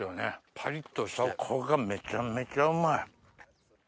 パリっとしてそこがめちゃめちゃうまい！